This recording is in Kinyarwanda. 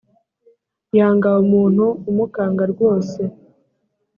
Yanga umuntu umukanga rwose